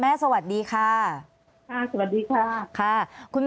อันดับที่สุดท้าย